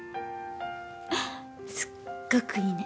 すっごくいいね。